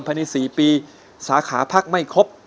ภายใน๔ปีสาขาพักไม่ครบ